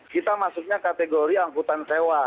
kita masuknya kategori angkutan sewa